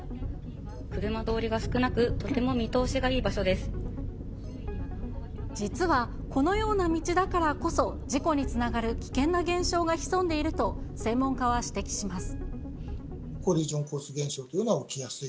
車通りが少なく、とても見通実は、このような道だからこそ、事故につながる危険な現象が潜んでいると、専門家は指摘します。